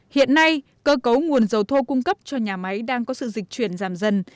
hiện nay cơ cấu nguồn dầu thô cung cấp cho nhà máy đang có sự dịch chuyển giảm dần